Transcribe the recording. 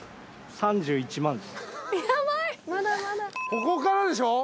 ここからでしょ。